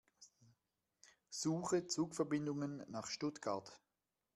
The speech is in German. Suche Zugverbindungen nach Stuttgart.